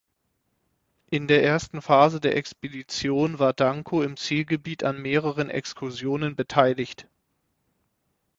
In der ersten Phase der Expedition war Danco im Zielgebiet an mehreren Exkursionen beteiligt.